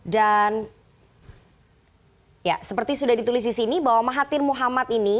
dan seperti sudah ditulis di sini bahwa mahathir mohamad ini